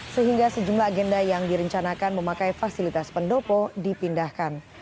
sehingga sejumlah agenda yang direncanakan memakai fasilitas pendopo dipindahkan